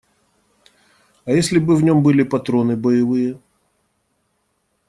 А если бы в нем были патроны боевые?